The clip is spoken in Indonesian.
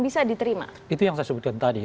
bisa diterima itu yang saya sebutkan tadi